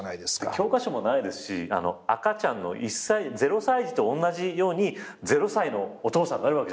教科書もないですし赤ちゃんの０歳児とおんなじように０歳のお父さんになるわけじゃないですか。